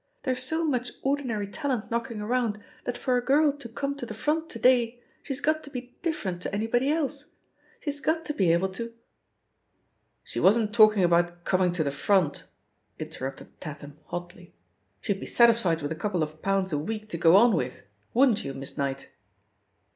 There's so much ordi nary talent knocking around that for a girl to come to the front to day she's got to be different to anybody else, she's got to be able to ^" "She wasn't talking about 'coming to the front'!" interrupted Tatham hotly. "She'd be satisfied with a couple of pounds a week to go on with; wouldn't you, Miss Kiiight?"